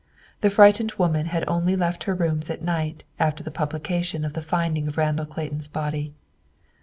The frightened woman had only left her rooms at night after the publication of the finding of Randall Clayton's body.